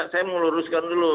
saya mau luruskan dulu